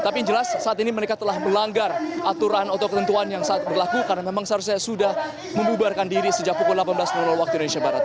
tapi yang jelas saat ini mereka telah melanggar aturan atau ketentuan yang saat berlaku karena memang seharusnya sudah membubarkan diri sejak pukul delapan belas waktu indonesia barat